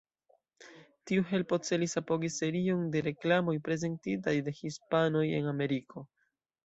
Tiu helpo celis apogi serion de reklamoj prezentitaj de hispanoj en Ameriko.